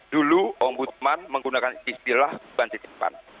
dulu om butman menggunakan istilah bang titipan